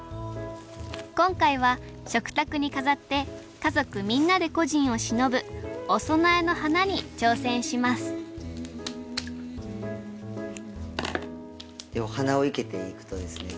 今回は食卓に飾って家族みんなで故人をしのぶお供えの花に挑戦しますでお花を生けていくとですね